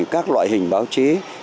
các loại hình báo chí